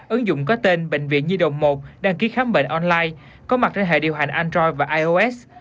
ứng dụng có tên bệnh viện nhi đồng một đăng ký khám bệnh online có mặt trên hệ điều hành android và ios